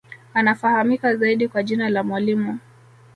Anafahamika zaidi kwa jina la Mwalimu